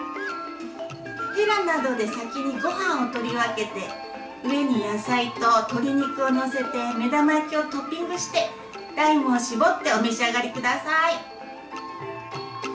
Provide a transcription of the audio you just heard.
ヘラなどで先にごはんを取り分けて上に野菜と鶏肉を載せて目玉焼きをトッピングしてライムを搾ってお召し上がりください。